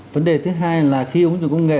vấn đề thứ hai là khi hỗ trợ công nghệ